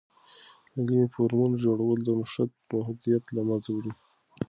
د علمي فورمونو جوړول، د نوښت محدودیت له منځه وړي.